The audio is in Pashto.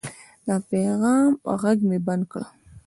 د پیغام غږ مې بند کړ.